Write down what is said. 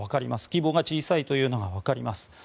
規模が小さいというのがわかります。